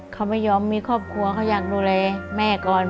เขาไม่ยอมมีครอบครัวเขาอยากดูแลแม่ก่อน